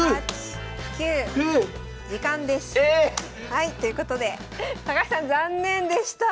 はいということで高橋さん残念でした。